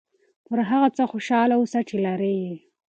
پر هغه څه خوشحاله اوسه چې لرې یې.